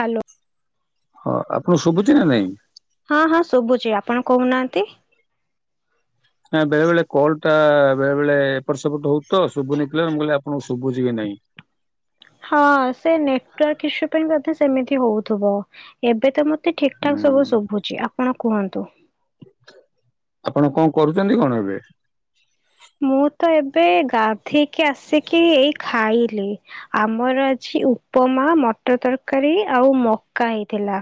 Hello. ହଁ ଆପଣ ଶୁବୁଚି ନା ନାଇଁ? ହଁ ହଁ ଶୁବୁଚି ଆପଣ କୋହୁନାହାନ୍ତି। ନା ବେଳେ ବେଳେ କଲ୍ ଟା ବେଳେ ବେଳେ ଏପଟ ସେପଟ ହୋଉଚି ତ ଶୁବୁନି କ୍ଳିଅର ମୁଁ କହିଲି ଆପଣଙ୍କୁ ଶୁବୁଚି କି ନାଇଁ। ହଁ ସେ ନେଟୱାର୍କ ଇସୁ ପାଇଁ ସେମିତି ହୋଉଥିବ ଏବେ ତ ମ ତେ ଠିକ୍ ଠାକ୍ ହୁଁ ସବୁ ଶୁବୁଚି ଆପଣ କୁହନ୍ତୁ। ଆପଣ କଣ କରୁଚନ୍ତି କଣ ଏବେ? ମୁଁ ତ ଏବେ ଗାଧୋଇକି ଆସିକି ଏଇ ଖାଇଲି। ଆମର ଆଜି ଉପମା, ମଟର ତରକାରୀ ଆଉ ମକା ହେଇଥିଲା।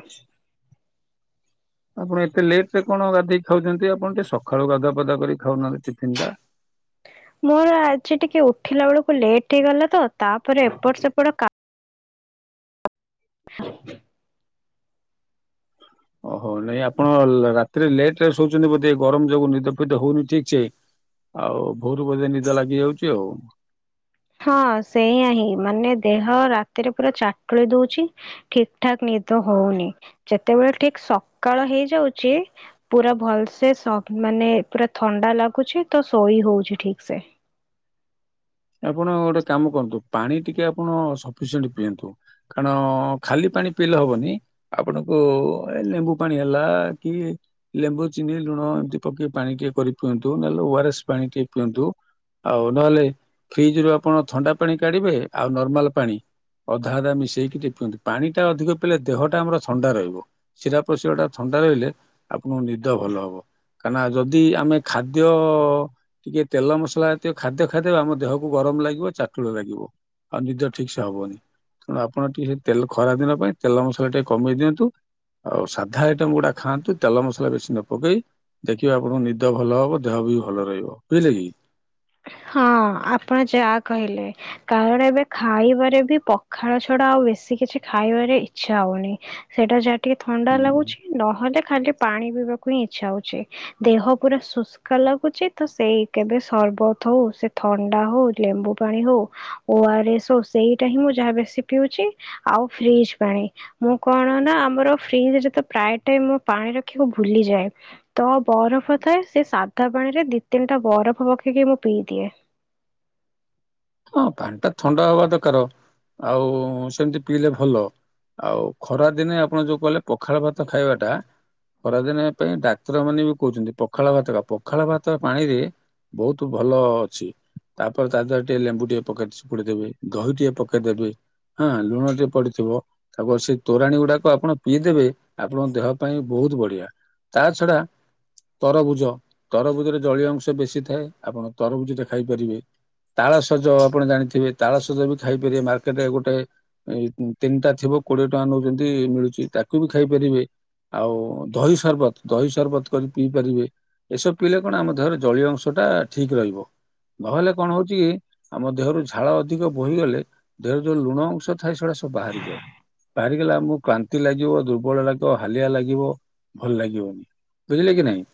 ଆପଣ ଏତେ ଲେଟରେ କଣ ଗାଧେଇ ଖାଉଚନ୍ତି। ଆପଣ ଟିକେ ସକାଳୁ ଗାଧୁଆ ପାଧୁଆ କରି କି ଖାଉନାହାନ୍ତି ଟିଫନ୍ ଟା। ମୋର ଆଜି ଟିକେ ଉଠିଲା ବେଳକୁ ଲେଟ୍ ହେଇ ଗଲା ତ, ତାପରେ ଏପଟ ସେପଟ କା [unintelligible] ଓହୋ‌ ନାଇଁ ଆପଣ ରାତିରେ ଲେଟରେ ଶୋଉଚନ୍ତି, ବୋଧେ ଗରମ ଯୋଗୁ ନିଦ ଫିଦ ହୋଉନି ଠିକ୍ ସେ। ଆଉ ଭୋରୁ ବୋଧେ ନିଦ ଲାଗିଯାଉଚି ଆଉ। ହଁ ସେଇୟା ହିଁ ମାନେ ଦେହ ରାତିରେ ପୁରା ଚାକୁଳେଇ ଦୋଉଚି। ଠିକ୍ ଠାକ୍ ନିଦ ହୋଉନି ଯେତେବେଳେ ଠିକ୍ ସକାଳ ହେଇଯାଉଚି। ପୁରା ଭଲସେ ସ ମାନେ ପୁରା ଥଣ୍ଡା ଲାଗୁଚି ତ ଶୋଇ ହୋଉଚି ଠିକସେ। ଆପଣ ଗୋଟେ କାମ କରନ୍ତୁ। ପାଣି ଟିକେ ଆପଣ ସଫିସିଏଣ୍ଟ ପିଅନ୍ତୁ। କାରଣ ଖାଲି ପାଣି ପିଇଲେ ହବନି। ଆପଣଙ୍କୁ ଏ ଲେମ୍ବୁ ପାଣି ହେଲା କି ଲେମ୍ବୁ ଚିନି ଲୁଣ ଏମତି ପକେଇ ପାଣି ଟିକେ କରି ପିଅନ୍ତୁ, ନହେଲେ ଓଆରଏସ୍ ପାଣି ଟିକେ ପିଅନ୍ତୁ। ଆଉ ନହେଲେ ଫ୍ରିଜ ରୁ ଆପଣ ଥଣ୍ଡା ପାଣି କାଢିବେ ଆଉ ନର୍ମାଲ ପାଣି। ଅଧା ଅଧା ମିଶେଇକି ଟିକେ ପିଅନ୍ତି। ପାଣିଟା ଅଧିକ ପିଇଲେ ଦେହଟା ଆମର ଥଣ୍ଡା ରହିବ। ଶୀରା ପ୍ରସିରାଟା ଥଣ୍ଡା ରହିଲେ ଆପଣଙ୍କୁ ନିଦ ଭଲ ହବ। କାହିଁନା ଯଦି ଆମେ ଖାଦ୍ୟ ଟିକେ ତେଲ ମସଲା ଜାତୀୟ ଖାଦ୍ୟ ଖାଇଦେଲେ ଆମ ଦେହ କୁ ଗରମ ଲାଗିବ, ଚାଟୁଳ ଲାଗିବ, ଆଉ ନିଦ ଠିକ୍ ସେ ହବନି। ତେଣୁ ଆପଣ ଟିକେ ସେ ତେଲ ଖରା ଦିନ ପାଇଁ ତେଲ ମସଲା ଟିକେ କମେଇ ଦିଅନ୍ତୁ। ଆଉ ସାଧା ଆଇଟମ୍ ଗୁଡା ଖାଆନ୍ତୁ, ତେଲ ମସଲା ବେଶୀ ନ ପକେଇ। ଦେଖିବେ ଆପଣଙ୍କୁ ନିଦ ଭଲ ହବ, ଦେହ ବି ଭଲ ରହିବ। ବୁଝିଲେ କି? ହଁ ଆପଣ ଯା କହିଲେ। କାରଣ ଏବେ ଖାଇବାରେ ବି ପଖାଳ ଛଡା ଆଉ ବେଶୀ କିଛି ଖାଇବାରେ ଇଚ୍ଛା ହଉନି। ସେଇଟା ଯାହା ଟିକେ ଥଣ୍ଡା ହୁଁ ଲାଗୁଛି, ନହେଲେ ଖାଲି ପାଣି ପିଇବାକୁ ହିଁ ଇଚ୍ଛା ହଉଛି। ଦେହ ପୁରା ଶୁଷ୍କା ଲାଗୁଛି ତ ସେଇ କେବେ ସର୍ବ ଥଉ ସେ ଥଣ୍ଡା ହଉ ଲେମ୍ବୁ ପାଣି ହଉ। ଓଆରେସ ସେଇଟା ହିଁ ମୁଁ ଯାହା ବେଶି ପିଉଛି। ଆଉ ଫ୍ରିଜ୍ ପାଣି। ମୁଁ କଣ ନା ଆମର ଫ୍ରିଜ୍ ରେ ତ ପ୍ରାୟ ଟାଇମ୍ ପାଣି ରଖିବାକୁ ଭୁଲିଯାଏ। ତ ବରଫ ଥାଏ ସେ ସାଧା ପାଣି ରେ ଦି ତିନିଟା ବରଫ ପକେଇକି ମୁଁ ପିଇଦିଏ। ହଁ ପାଣି ଟା ଥଣ୍ଡା ହବା ଦରକାର ଆଉ ସେମିତି ପିଇଲେ ଭଲ। ଆଉ ଖରା ଦିନେ ଆପଣ ଯୋଉ କହିଲେ ପଖାଳ ଭାତ ଖାଇବାଟା ଖରାଦିନ ପାଇଁ ଡାକ୍ତର ମାନେ ବି କହୁଛନ୍ତି ପଖାଳ ଭାତ ଖା, ପଖାଳ ଭାତ ପାଣି ରେ ବହୁତୁ ଭଲ ଅଛି, ତାପରେ ତା ଦେହର ଟେ ଲେମ୍ବୁ ଟିକେ ପକେଇ ଚପୁଡି ଦେବେ, ଦହି ଟିକେ ପକେଇଦେବେ, ହଁ ଲୁଣ ଟିକେ ପଡିଥିବ। ତାପରେ ସେଇ ତୋରାଣୀ ଗୁଡାକ ଆପଣ ପିଇଦେବେ ଆପଣଙ୍କ ଦେହ ପାଇଁ ବହୁତ ବଢିଆ। ତା ଛଡ଼ା ତରଭୁଜ, ତରଭୁଜରେ ଜଳୀୟ ଅଂଶ ବେଶୀ ଥାଏ ଆପଣ ତରଭୁଜ ଟା ଖାଇପାରିବେ। ତାଳସଜ ଆପଣ ଜାଣିଥିବେ, ତାଳସଜ ବି ଖାଇପାରିବେ ମାର୍କେଟ୍ ରେ ଗୋଟେ ଏଇ ତିନିଟା ଥିବ କୋଡିଏ ଟଙ୍କା ନଉଚନ୍ତି ମିଳୁଛି ତାକୁ ବି ଖାଇପାରିବେ। ଆଉ ଦହି ସର୍ବତ ଦହି ସର୍ବତ କରି ପିଇ ପାରିବେ। ଏସବୁ ପିଇଲେ କଣ ଆମ ଦେହର ଜଳୀୟ ଅଂଶ ଟା ଠିକ ରହିବ। ନହେଲେ କଣ ହଉ ଚି ଆମ ଦେହରୁ ଝାଳ ଅଧିକ ବୋହିଗଲେ ଦେହରେ ଯୋଉ ଲୁଣ ଅଂଶ ଥାଏ ସେଉଡା ସବୁ ବାହାରିଯାଏ। ବାହାରିଗଲେ ଆମକୁ କାନ୍ତି ଲାଗିବ, ଦୁର୍ବଳ ଲାଗିବ, ହାଲିଆ ଲାଗିବ, ଭଲ ଲାଗିବନି। ବୁଝିଲେ କି ନାଇଁ?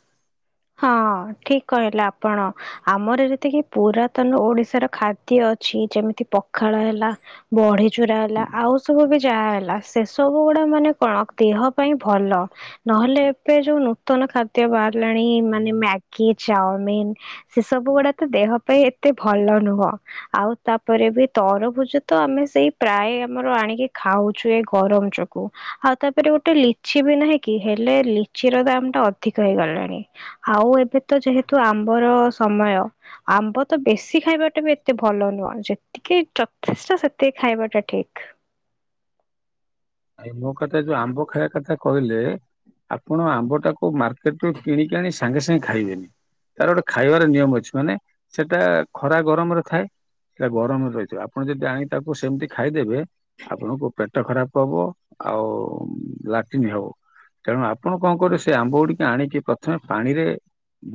ହଁ ଠିକ୍ କହିଲେ ଆପଣ। ଆମର ଯେତିକି ପୁରାତନ ଓଡିଶାର ଖାଦ୍ୟ ଅଛି ଯେମିତି ପଖାଳ ହେଲା। ବଢି ଚୁରା ହେଲା ଆଉ ସବୁ ବି ଯାହା ହେଲା। ସେସବୁ ଗୁଡ଼ା ମାନେ କଣ ଦେହ ପାଇଁ ଭଲ। ନହେଲେ ଏବେ ଯୋଉ ନୂତନ ଖାଦ୍ୟ ବାହାରିଲାଣି ମାନେ ମ୍ୟାଗି, ଚାଉମିନ୍। ସେ ସବୁ ଗୁଡା ତ ଦେହ ପାଇଁ ଏତେ ଭଲ ନୁହଁ। ଆଉ ତାପରେ ବି ତରଭୁଜ ତ ଆମେ ସେଇ ପ୍ରାୟ ଆମର ଆଣିକି ଖାଉଛୁ ଏ ଗରମ ଯୋଗ ଗୁ, ଆଉ ତାପରେ ଗୋଟେ ଲିଚି ବି ନାହିଁ କି? ହେଲେ ଲିଚି ର ଦାମ୍ ଟା ଅଧିକ ହେଇଗଲାଣି। ଆଉ ଏବେ ତ ଯେହେତୁ ଆମ୍ବର ସମୟ। ଆମ୍ବ ତ ବେଶୀ ଖାଇବାଟା ବି ଏତେ ଭଲ ନୁହଁ, ଯେ ଟିକେ ଯଥେଷ୍ଟ ସେତିକି ଖାଇବା ଟା ଠିକ। ଆଇ ମୋ କଥା ଯୋଉ ଆମ୍ବ ଖାଇବା କଥା କହିଲେ ଆପଣ ଆମ୍ବଟାକୁ ମାର୍କେଟ୍ ରୁ କିଣିକି ଆଣି ସାଙ୍ଗେ ସାଙ୍ଗେ ଖାଇବେନି। ତାର ଗୋଟେ ଖାଇବାର ନିୟମ ଅଛି, ମାନେ ସେଟା ଖରା ଗରମରେ ଥାଏ। ସେଟା ଗରମରେ ରହିଥିବ ଆପଣ ଯଦି ଆଣି ତାକୁ ସେମିତି ଖାଇଦେବେ, ଆପଣଙ୍କ ପେଟ ଖରାପ ହବ, ଆଉ ଲାଟିନ୍ ହବ। ତେଣୁ ଆପଣ କଣ କରିବେ ସେ ଆମ୍ବ ଗୁଡିକ ଆଣିକି ପ୍ରଥମେ ପାଣିରେ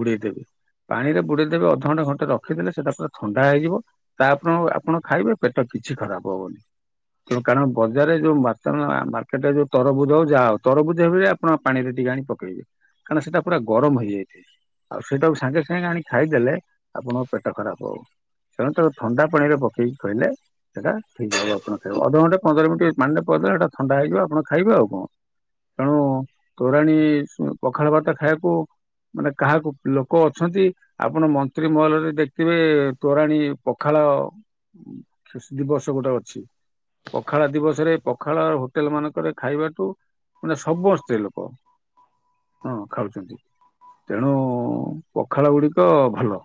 ବୁଡେଇଦେବେ। ପାଣିରେ ବୁଡେଇଦେବେ ଅଧଘଣ୍ଟା ଘଣ୍ଟେ ରଖିଦେଲେ ସେଟା ପୁରା ଥଣ୍ଡା ହେଇଯିବ। ତାପରେ ଆପଣ ଖାଇବେ ପେଟ କିଛି ଖରାପ ହବନି ତା କାରଣ ବଜାରରେ ଯୋଉ। ମା ମାର୍କେଟ ରେ ଯୋଉ ତରଭୁଜ ହଉ ଯାହାହଉ ତରଭୁଜ ହେ ଆପଣ ପାଣିରେ ଟିକେ ଆଣି ପକେଇବେ। କାରଣ ସେଇଟା ପୁରା ଗରମ ହେଇଯାଇଥାଏ। ଆଉ ସେଇଟାକୁ ସାଙ୍ଗେ ସାଙ୍ଗେ ଆଣି ଖାଇଦେଲେ ଆପଣଙ୍କ ପେଟ ଖରାପ ହବ। ତେଣୁ ଥଣ୍ଡା ପାଣିରେ ପକେଇକି ଖାଇଲେ ସେଇଟା ଠିକ୍ ଆପଣ ଖାଇ ଅଧଘଣ୍ଟେ ପନ୍ଦର ମିନିଟ୍ ପାଣିରେ କଦଲେ ଏଟା ଥଣ୍ଡା ହେଇଯିବ ଆପଣ ଖାଇବେ ଆଉ କଣ। ତେଣୁ ତୋରାଣୀ ପଖାଳ ଭାତ ଖାଇବାକୁ ମାନେ କାହାକୁ ଲୋକ ଅଛନ୍ତି। ଆପଣ ମନ୍ତ୍ର୍ରୀ ମହଲରେ ଦେଖିଥିବେ ତୋରାଣି ପଖାଳ। ଦିବସ ଗୋଟେ ଅଛି ପଖାଳ ଦିବସରେ ପଖାଳ ଖାଳ ହୋଟେଲ ମାନଙ୍କରେ ଖାଇବାଠୁ ମାନେ ସମସ୍ତେ ହଁ ଖାଉଛନ୍ତି ତେଣୁ ପଖାଳ ଗୁଡିକ ଭଲ।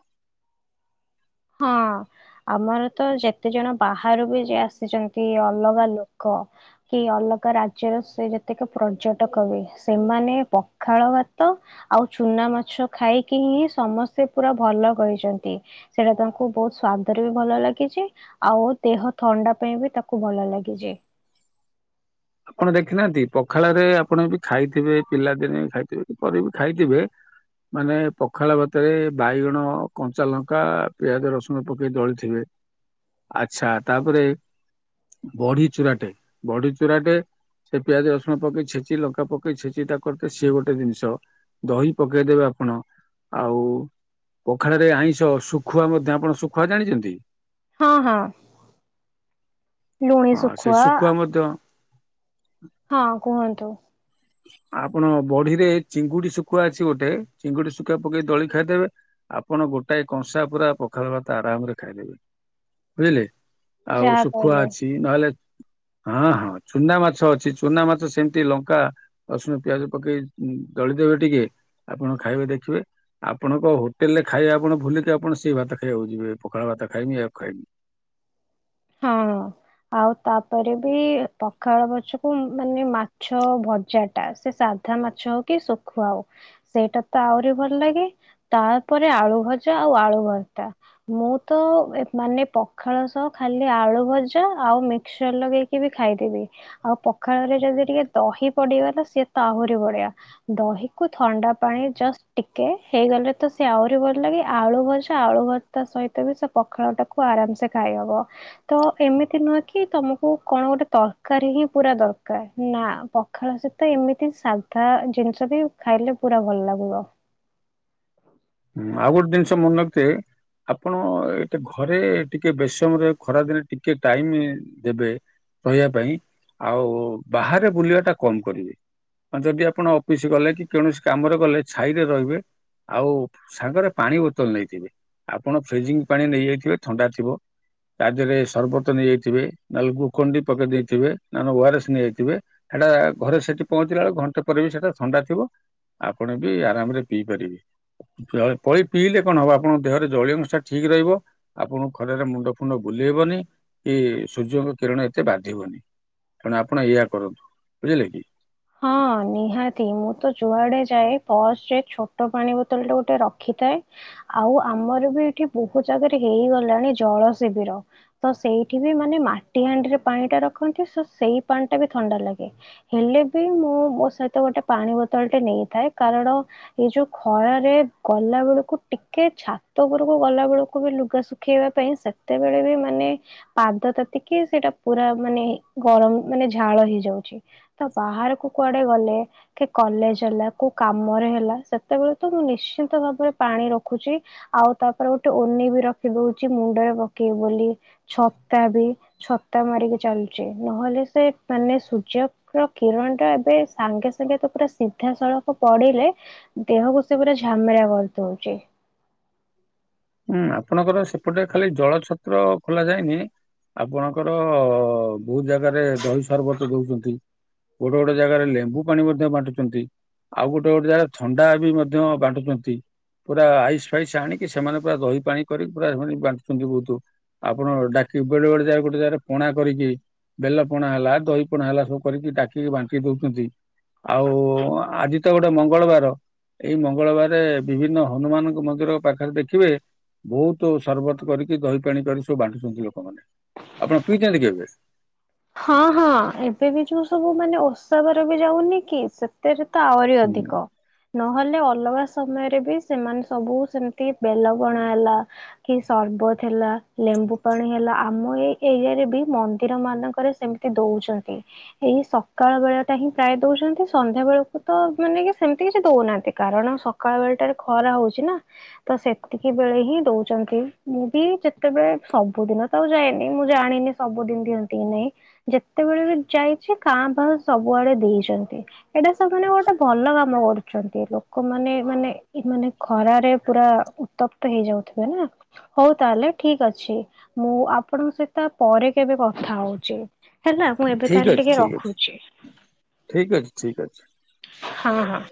ହଁ। ଆମର ତ ଯେତେ ଜଣ ବାହାରୁ ବି ଯଏ ଆସିଛନ୍ତି ଅଲଗା ଲୋକ କି ଅଲଗା ରାଜ୍ୟର ସେ ଯେତକ ପର୍ଯ୍ୟଟକ ହୁଏ ସେମାନେ ପଖାଳ ଭାତ ଆଉ ଚୁନା ମାଛ ଖାଇକି ହିଁ ସମସ୍ତେ ପୁରା ଭଲ କହିଛନ୍ତି। ସେଇଟା ତାଙ୍କୁ ବହୁତ ସ୍ଵାଦରେ ବି ଭଲ ଲାଗିଛି। ଆଉ ଦେହ ଥଣ୍ଡା ପାଇଁ ବି ତାକୁ ଭଲ ଲାଗିଚି। ଆପଣ ଦେଖିନାହାନ୍ତି ପଖାଳରେ ଆପଣ ବି ଖାଇଥିବେ ପିଲାଦିନେ ଖାଇଥିବେ କି ପରେ ବି ଖାଇଥିବେ। ମାନେ ପଖାଳ ଭାତରେ ବାଇଗଣ, କଞ୍ଚା ଲଙ୍କା, ପିଆଜ, ରସୁଣ ପକେଇ ଦଳିଥିବେ। ଆଛା ତାପରେ ବଢି ଚୁରାଟେ ବଢି ଚୁରା ଚୁରାଟେ ସେ ପିଆଜ, ରସୁଣ ପକେଇ ଛେଚି ଲଙ୍କା ପକେଇ ଛେଚି ତା କରିତେ ସିଏ ଗୋଟେ ଜିନିଷ। ଦହି ପକେଇଦେବେ ଆପଣ ଆଉ ପଖାଳରେ ଆଇଁଷ ଶୁଖୁଆ ମଧ୍ୟ ଆପଣ ଶୁଖୁଆ ଜାଣିଛନ୍ତି? ହଁ ହଁ ହଁ ସେଇ ଶୁଖୁଆ ମଧ୍ୟ। [inaudible] ହଁ କୁହନ୍ତୁ। ଆପଣ ବଢିରେ ଚିଙ୍ଗୁଡି ଶୁଖୁଆ ଅଛି ଗୋଟେ ଚିଙ୍ଗୁଡି ଶୁଖୁଆ ପକେଇ ଦଳି ଖାଇଦେବେ ଆପଣ ଗୋଟାଏ କଂସା ପୁରା ପଖାଳ ଭାତ ଆରାମ ରେ ଖାଇଦେବେ ବୁଝିଲେ। ଆଉ ଯାହା ଶୁଖୁଆ କହିଲେ। ଅଛି। ନହେଲେ ହଁ ହଁ ଚୁନା ମାଛ ଅଛି ଚୁନା ମାଛ ସେମିତି ଲଙ୍କା ରସୁଣ, ପିଆଜ ପକେଇ ଦଳିଦେବେ ଟିକେ ଆପଣ ଖାଇବେ ଦେଖିବେ ଆପଣଙ୍କ ହୋଟେଲ ରେ ଖାଇବା ଆପଣ ଭୁଲିକି ଆପଣ ସେଇ ଭାତ ଖାଇବାକୁ ଯିବେ ପଖାଳ ଭାତ ଖାଇବି ୟକୁ ଖାଇବି। ହଁ। ଆଉ ତାପରେ ବି ପଖାଳ ଭାତକୁ ମାନେ ମାଛ ଭଜା ଟା ସେ ସା ଧା ମାଛ ହଉ କି ଶୁଖୁଆ ହଉ ସେଇଟା ତ ଆହୁରି ଭଲ ଲାଗେ। ତାପରେ ଆଳୁ ଭଜା ଆଉ ଆଳୁ ଭର୍ତା। ମୁଁ ତ ମାନେ ପଖାଳ ସହ ଖାଲି ଆଳୁ ଭଜା ଆଉ ମିକ୍ସର ଲଗେଇକି ବି ଖାଇଦିଏ। ଆଉ ପଖାଳରେ ଯଦି ଟିକେ ଦହି ପଡିଗଲା ସିଏତ ଆହୁରି ବଢିଆ। ଦହିକୁ ଥଣ୍ଡା ପାଣି ଜଷ୍ଟ ଟିକେ ହେଇଗଲେ ତ ସେ ଆହୁରି ଭଲ ଲାଗେ ଆଳୁ ଭଜା ଆଳୁ ଭ ତା ସହିତ ବି ସେ ପଖାଳ ଟାକୁ ଆରାମସେ ଖାଇଦବ। ତ ଏମିତି ନୁହେଁ କି ତମକୁ କଣ ଗୋଟେ ତରକାରୀ ହିଁ ପୁରା ଦରକାର ନା ପ ପଖାଳ ସହିତ ଏମିତି ସାଧା ଜିନିଷ ବି ଖାଇଲେ ପୁରା ଭଲ ଲାଗିବ। ହଁ ଆଉ ଗୋଟ ଜିନିସ ମନରଖିଥିବେ ଆପଣ ଏଟେ ଘରେ ଟିକେ ବେଶୀ ସମୟ ଖରାଦିନେ ଟିକେ ଟାଇମ ଦେବେ ରହିବା ପାଇଁ ଆଉ ବାହାରେ ବୁଲିବାଟା କମ କରିବେ। ହଁ ଯଦି ଆପଣ ଅଫିସ ଗଲେ କି କୌଣସି କାମରେ ଗଲେ ଛାଇରେ ରହିବେ ଆଉ ସାଙ୍ଗରେ ପାଣି ବୋତଲ ନେଇଥିବେ ଆପଣ ଫ୍ରିଜିଙ୍ଗ ପାଣି ନେଇଯାଇଥିବେ ଥଣ୍ଡା ଥିବ ତାଦେହରେ ସରବତ ନେଇଯାଇଥିବେ ନହେଲେ ଗୁକଣ୍ଡି ପକେଇ ଦେଇଥିବେ ନଲେ ଓଆରରେସ୍ ନେଇଯାଇଥିବେ ସେଟା ଘରେ ସେଠି ପହଞ୍ଚିଲା ବେଳକୁ ଘଣ୍ଟେ ପରେ ବି ସେଟା ଥଣ୍ଡା ଥିବ ଆପଣ ବି ଆରାମରେ ପିଇ ପାରିବେ। ପଳି ପିଇଲେ କଣ ହବ ଆପଣଙ୍କ ଦେହରେ ଜଳୀୟ ଅଂଶ ଠିକ୍ ରହିବ ଆପଣଙ୍କୁ ଖରାରେ ମୁଣ୍ଡ ଫୁଣ୍ଡ ବୁଲେଇବନି କି ସୂର୍ଯ୍ୟଙ୍କ କିରଣ ଏତେ ବାଧିବନି? ତେଣୁ ଆପଣ ଏଇଆ କରନ୍ତୁ ବୁଝିଲେ କି? ହଁ ନିହାତି ମୁଁ ତ ଯୁଆଡେ ଯାଏ ପସରେ ଛୋଟ ପାଣି ବୋତଲ ଟା ଗୋଟେ ରଖିଥାଏ। ଆଉ ଆମର ବି ଏଠି ବହୁତ ଜାଗାରେ ହେଇଗଲାଣି ଜଳ ଶିବିର ତ ସେଇଠି ବି ମାନେ ମାଟି ହାଣ୍ଡିରେ ପାଣିଟା ରଖନ୍ତି ତ ସେଇ ପାଣି ଟା ବି ଥଣ୍ଡା ଲାଗେ। ହେଲେ ବି ମୁଁ ମୋ ସହିତ ଗୋଟେ ପାଣି ବୋତଲ ଟେ ନେଇଥାଏ କାରଣ ଏଇ ଯୋଉ ଖରାରେ ଗଲା ବେଳକୁ ଟିକେ ଛାତ ଉପରକୁ ଗଲା ବେଳକୁ ବି ଲୁଗାସୁଖ ଖେଇବା ପାଇଁ ସେତେବେଳେ ବି ମାନେ ପାଦ ତାତିକି ସେଇଟା ପୁରା ମାନେ ଗରମ ମାନେ ଝାଳ ହେଇଯାଉଛି। ତ ବାହାରକୁ କୁଆଡେ ଗଲେ କି କଲେଜ ହେଲା କୋଉ କାମରେ ହେଲା ସେତେବେଳେ ତ ମୁଁ ନିଶ୍ଚିନ୍ତ ଭାବରେ ପାଣି ରଖୁଛି। ଆଉ ତାପରେ ଗୋଟେ ଓନି ବି ରଖି ଦଉଛି ମୁଣ୍ଡରେ ପକେଇବି ବୋଲି। ଛତା ବି ଛତା ମାରିକି ଚାଲୁଛି ନହେଲେ ସେ ମାନେ ସୂର୍ଯ୍ୟ କିରଣଟା ଏବେ ସାଙ୍ଗେ ସାଙ୍ଗେ ତ ପୁରା ସିଧାସଳଖ ପଡିଲେ ଦେହକୁ ସେ ପୁରା ଝାମେରା କରିଦଉଛି। ହୁଁ ଆପଣଙ୍କର ସେପଟେ ଖାଲି ଜଳଛତ୍ର ଖୋଲା ଯାଏନି ଆପଣଙ୍କର ବହୁ ଜାଗାରେ ଦହି ସରବତ ଦଉଛନ୍ତି। ଗୋଟେ ଗୋଟେ ଜାଗାରେ ଲେମ୍ବୁ ପାଣି ମଧ୍ୟ ବାଣ୍ଟୁଛନ୍ତି। ଆଉ ଗୋଟେ ଗୋଟେ ଜାଗାରେ ଥଣ୍ଡା ବି ମଧ୍ୟ ବାଣ୍ଟୁଛନ୍ତି ପୁରା ଆଇସ୍ ଫାଇସ୍ ଆଣି କି ସେମାନେ ପୁରା ଦହି ପାଣି କରିକି ପୁରା ବାଣ୍ଟୁଛନ୍ତି ବହୁତୁ। ଆପଣ ଡାକି ବେଳେ ବେଳେ ଜାଗା ଗୋଟେ ଜାଗାରେ ପଣା କରିକି ବେଲ ପଣା ହେଲା ଦହି ପଣା ହେଲା ସବୁ କରିକି ଡାକିକି ବାଣ୍ଟି ଦଉଛନ୍ତି। ଆଉ ଆଜି ତ ଗୋଟେ ମଙ୍ଗଳବାର। ଏଇ ମଙ୍ଗଳବାରେ ବିଭିନ୍ନ ହନୁମାନଙ୍କ ମନ୍ଦିର ପାଖ ରେ ଦେଖିବେ ବହୁତ ସରବତ କରିକି ଦହି ପାଣି କରି ସବୁ ବାଣ୍ଟୁଛନ୍ତି ଲୋକମାନେ। ଆପଣ ପଇଛନ୍ତି କେବେ? ହଁ ହଁ ଏବେ ବି ଯୋଉ ସବୁ ମାନେ ଓଷାାବାର ବି ଯାଉନି କି ସେ ସେତେରେ ତ ଆହୁରି ହୁଁ ଅଧିକ। ନହେଲେ ଅଲଗା ସମୟରେ ବି ସେମାନେ ସବୁ ସେମିତି ବେଲ ପଣା ହେଲା କି ସର୍ବତ ହେଲା ଲେମ୍ବୁ ପାଣି ହେଲା ଆମ ଏଇ ଏରିଆରେ ବି ମନ୍ଦିର ମାନଙ୍କ ଙ୍କରେ ସେମିତି ଦଉଛନ୍ତି। ଏଇ ସକାଳ ବେଳଟା ହିଁ ପ୍ରାୟ ଦଉଛନ୍ତି ସନ୍ଧ୍ୟା ବେଳକୁ ତ ମାନେ କି ସେମିତି କିଛି ଦଉନାହାନ୍ତି କାରଣ ସକାଳ ବେଳଟାରେ ଖରା ହଉଛି ନା ତ ସେତିକି ବେଳେ ହିଁ ଦଉଛନ୍ତି ମୁଁ ବି ଯେତେବେଳେ ସବୁଦିନ ତ ଆଉ ଯାଏନି ମୁଁ ଜାଣିନି ସବୁଦିନ ଦିଅନ୍ତି କି ନାଇଁ? ଯେତେବେଳେଳ ବି ଯାଇଛି କାଁ ବାହା ସବୁଆଡେ ଦେଇଛନ୍ତି ଏଇଟା [unintelligible] ଗୋଟେ ଭଲ କାମ କରୁଛନ୍ତି ହେଲେ। ଲୋକମାନେ-ମାନେ ଏମାନେ ଖରାରେ ପୁରା ଉତ୍ତପ୍ତ ହେଇଯାଉଥିବେ ନା। ହଉ ତାହେଲେ ଠିକ୍ ଅଛି, ମୁଁ ଆପଣଙ୍କ ସହିତ ପରେ କେବେ କଥା ହଉଛି। ହେଲା, ମୁଁ ଏବେ ଠିକ ତାହେଲେ ଟିକେ ଅଛି ଠିକ ଅଛି ରଖୁଛି। ଠିକ ଅଛି ଠିକ ଅଛି। ହଁ-ହଁ।